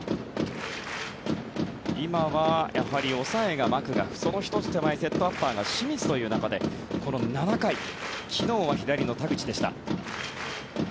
今は、やはり抑えがマクガフその１つ手前、セットアッパーが清水という中でこの７回昨日は左の田口でした。